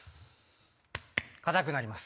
硬くなります。